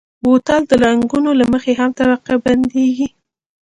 بوتل د رنګونو له مخې هم طبقه بندېږي.